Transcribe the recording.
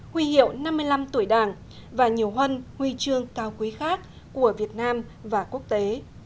huy hiệu năm mươi năm tuổi đảng và nhiều huân huy chương cao quý khác của việt nam và quốc tế